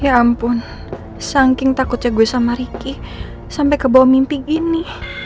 ya ampun saking takutnya gue sama ricky sampai ke bawah mimpi gini